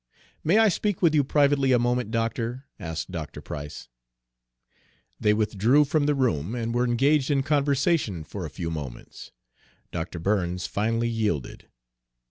"May I speak with you privately a moment, doctor?" asked Dr. Price. They withdrew from the room and were engaged in conversation for a few moments. Dr. Burns finally yielded.